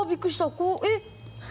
こうえっ！